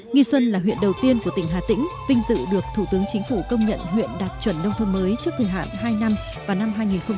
nghi xuân là huyện đầu tiên của tỉnh hà tĩnh vinh dự được thủ tướng chính phủ công nhận huyện đạt chuẩn nông thôn mới trước thời hạn hai năm vào năm hai nghìn một mươi